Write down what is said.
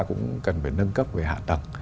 cũng cần phải nâng cấp về hạ tầng